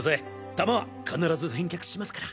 弾は必ず返却しますから。